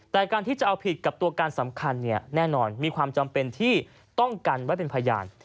แต่การที่จะเอาผิดกับตัวการสำคัญแน่นอนมีความจำเป็นที่ต้องกันไว้เป็นพยาน